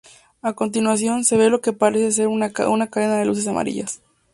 A continuación, se ve lo que parece ser una cadena de luces amarillas.